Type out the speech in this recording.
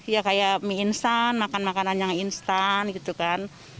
ya kayak mie instan makan makanan yang instan gitu kan